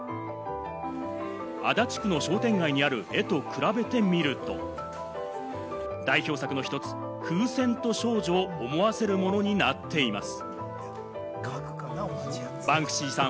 足立区の商店街にある絵と比べてみると、代表作の１つ『風船と少女』を思わせるものになっています。